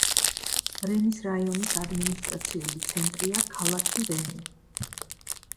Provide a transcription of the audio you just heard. რენის რაიონის ადმინისტრაციული ცენტრია ქალაქი რენი.